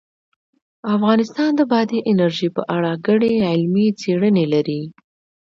افغانستان د بادي انرژي په اړه ګڼې علمي څېړنې لري.